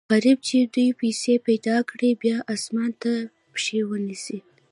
غریب چې دوې پیسې پیدا کړي، بیا اسمان ته پښې و نیسي.